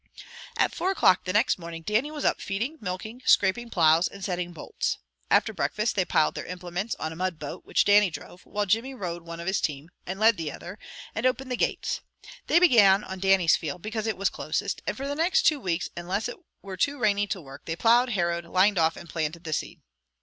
At four o'clock the next morning, Dannie was up feeding, milking, scraping plows, and setting bolts. After breakfast they piled their implements on a mudboat, which Dannie drove, while Jimmy rode one of his team, and led the other, and opened the gates. They began on Dannie's field, because it was closest, and for the next two weeks, unless it were too rainy to work, they plowed, harrowed, lined off, and planted the seed.